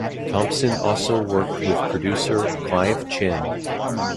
Thompson also worked with producer, Clive Chin.